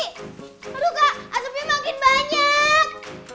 aduh kak asapnya makin banyak